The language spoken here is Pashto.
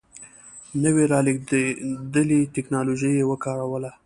نوې رالېږدېدلې ټکنالوژي یې وکاروله.